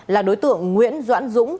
là đối tượng nguyễn doãn dũng